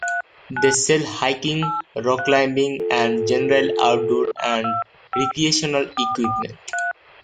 They sell hiking, rockclimbing and general outdoor and recreational equipment.